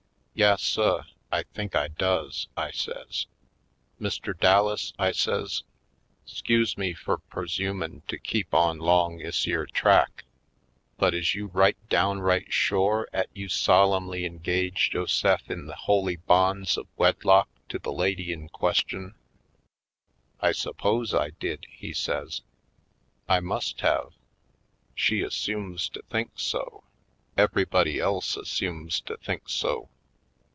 "Yas suh, I think I does," I says. "Mr. Dallas," I says, " 'scuse me fur persumin' to keep on 'long 'is yere track, but is you right downright shore 'at you solemnly en gaged yo'se'f in the holy bonds of wedlock to the lady in question?" "I suppose I did," he says. "I must have. She assumes to think so — everybody else assumes to think so.